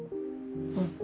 うん。